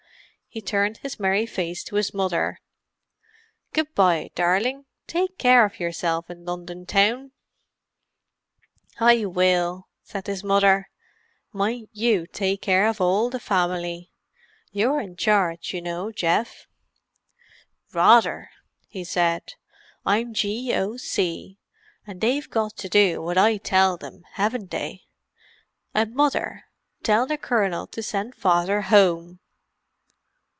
He turned his merry face to his mother. "Good bye, darling! Take care of yourself in London Town!" "I will," said his mother. "Mind you take care of all the family. You're in charge, you know, Geoff." "Rather!" he said. "I'm G.O.C., and they've got to do what I tell them, haven't they? And Mother—tell the Colonel to send Father home."